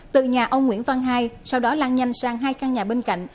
từ nhà ông nguyễn văn hai sau đó lan nhanh sang hai căn nhà bên cạnh